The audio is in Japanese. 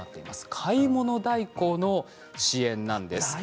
買い物代行の支援なんです。